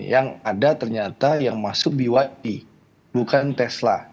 yang ada ternyata yang masuk di wi bukan tesla